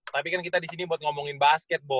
tapi kan kita di sini buat ngomongin basket